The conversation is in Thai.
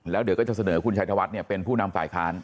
แล้วเดี๋ยวก็จะเสนอคุณชัยธวัฒน์เป็นผู้นำฝ่ายค้าน